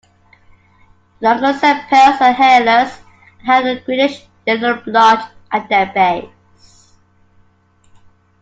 The longer sepals are hairless and have a greenish-yellow blotch at their base.